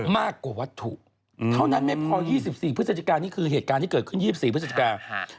วัตถุเท่านั้นไม่พอ๒๔พฤศจิกานี่คือเหตุการณ์ที่เกิดขึ้น๒๔พฤศจิกา